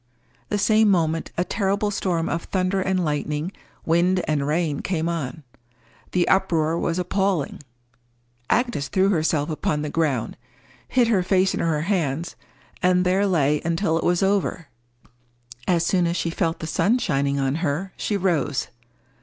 The same moment a terrible storm of thunder and lightning, wind and rain, came on. The uproar was appalling. Agnes threw herself upon the ground, hid her face in her hands, and there lay until it was over. As soon as she felt the sun shining on her, she rose.